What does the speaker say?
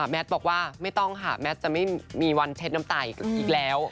บอกว่าไม่ต้องค่ะแมทจะไม่มีวันเช็ดน้ำตายอีกแล้ว